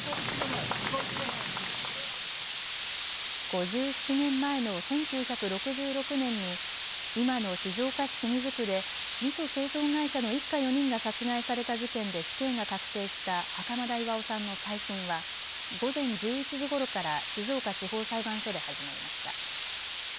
５７年前の１９６６年に今の静岡市清水区でみそ製造会社の一家４人が殺害された事件で死刑が確定した袴田巌さんの再審は午前１１時ごろから静岡地方裁判所で始まりました。